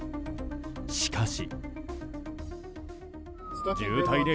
しかし。